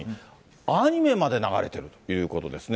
アニメまで流れてるということですね。